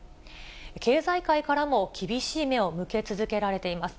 経済界からも厳しい目を向け続けられています。